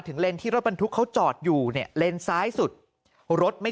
เลนที่รถบรรทุกเขาจอดอยู่เนี่ยเลนซ้ายสุดรถไม่